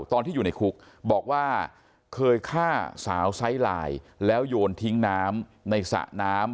ตอนที่อยู่ในคุกบอกว่าเคยฆ่าสาวไซส์ลายแล้วโยนทิ้งน้ำในสระน้ำ